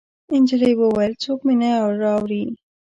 نجلۍ وويل: څوک مې نه اوري.